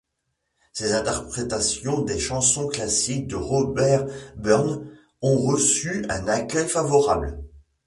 Ses interprétations des chansons classiques de Robert Burns ont reçu un accueil favorable.